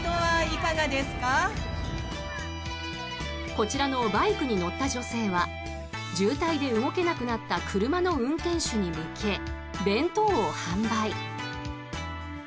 こちらのバイクに乗った女性は渋滞で動けなくなった車の運転手に向け、弁当を販売。